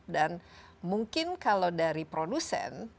dan mungkin kalau dari produsen